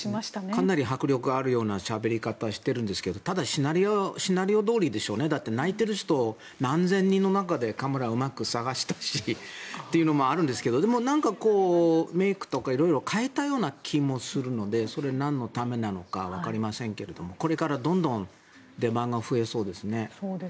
かなり迫力あるようなしゃべり方をしているんですがただ、シナリオどおりでしょうねだって泣いている人を何千人の中でカメラをうまく探し出してというのもあるんですがでも、メイクとか色々変えたような気もするのでそれはなんのためなのかわかりませんがこれからどんどん出番が増えそうですね。